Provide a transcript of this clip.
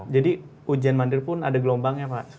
jadi ujian mandir pun ada gelombangnya pak